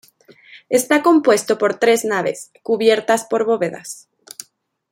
Está compuesto por tres naves, cubiertas por bóvedas.